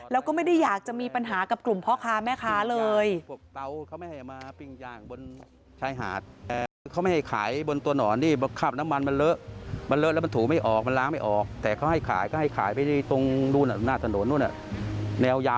แล้วก็ไม่ได้อยากจะมีปัญหากับกลุ่มพ่อค้าแม่ค้าเลย